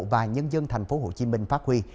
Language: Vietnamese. và nhân dân thành phố hồ chí minh phát huy